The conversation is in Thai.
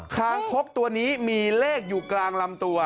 คางคกตัวนี้มีเลขอยู่กลางลำตัว